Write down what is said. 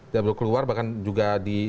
dia baru keluar bahkan juga di